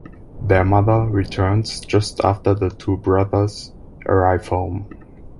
Their mother returns just after the two brothers arrive home.